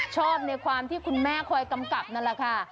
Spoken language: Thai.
ชอบในความที่คุณแม่คอยกำกับนั่นแหละค่ะ